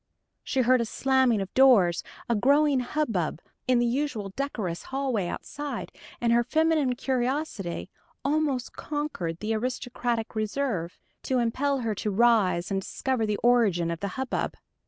She heard a slamming of doors, a growing hubbub in the usually decorous hallway outside, and her feminine curiosity almost conquered the aristocratic reserve, to impel her to rise and discover the origin of the hubbub.